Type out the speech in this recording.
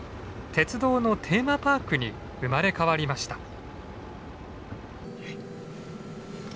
鉄道のテーマパークに生まれ変わりました。